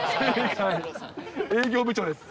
営業部長です。